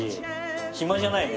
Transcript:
暇じゃないね